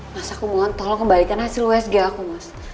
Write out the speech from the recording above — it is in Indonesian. pas aku mohon tolong kembalikan hasil usg aku mas